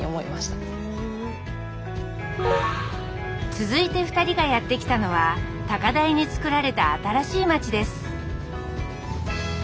続いて２人がやって来たのは高台につくられた新しい町です